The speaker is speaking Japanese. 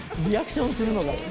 リアクションするのが。